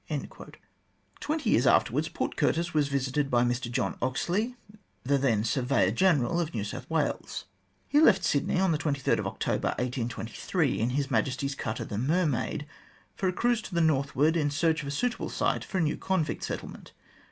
Twenty years afterwards Port Curtis was visited by Mr John Oxley, the then Surveyor General of New South Wales. He left Sydney on October 23, 1823, in His Majesty's cutter, the Mermaid, for a cruise to the northward in search of a suit able site for a new convict settlement.